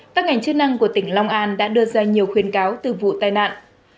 các ngành chức năng của tỉnh long an đã đưa ra nhiều khuyến cáo từ vụ tai nạn